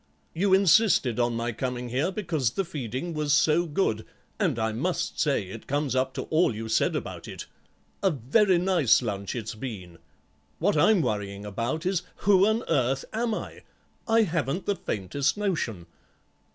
You insisted on my coming here because the feeding was so good, and I must say it comes up to all you said about it. A very nice lunch it's been. What I'm worrying about is who on earth am I? I haven't the faintest notion?"